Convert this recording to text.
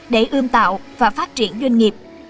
để ươm tạo và phát triển doanh nghiệp